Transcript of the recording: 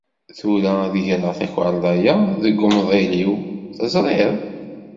Tura ad greɣ takarḍa-ya deg umḍelliw. Teẓriḍ?